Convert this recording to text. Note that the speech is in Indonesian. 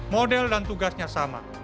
model dan tugasnya sama